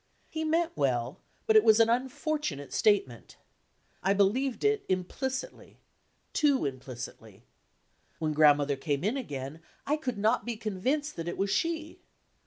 He meant well, but it was an unfortunate state ment. I believed it implicidy ox> implicidy. When Grand mother came in again I could not be convinced that it was she.